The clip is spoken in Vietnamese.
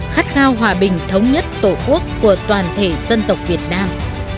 khát khao hòa bình thống nhất tổ quốc của toàn thể dân tộc việt nam